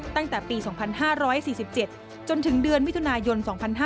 ตั้งแต่ปี๒๕๔๗จนถึงเดือนมิถุนายน๒๕๕๙